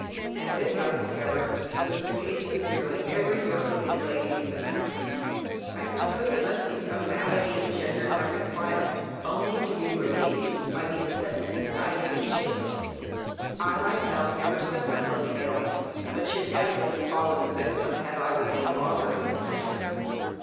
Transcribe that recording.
And this, I discovered was the case with nearly every European lady in the country. I suppose it must be some malady engendered by the climate, only to be relieved by the incessant inditing of "chits." I myself never suffered from the ailment, but should doubtless have fallen a victim had I remained longer in the country.